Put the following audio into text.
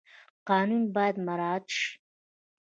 قانون باید مراعات شي